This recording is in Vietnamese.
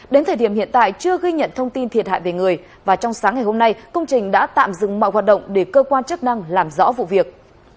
đến thời điểm hiện tại chưa ghi nhận thông tin thiệt hại về người và trong sáng ngày hôm nay công trình đã tạm dừng mọi hoạt động để cơ quan chức năng làm rõ vụ việc